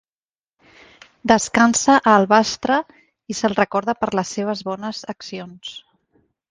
Descansa a Alvastra i se'l recorda per les seves bones accions.